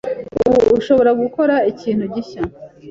ubu ushobora gukora ikintu gishya,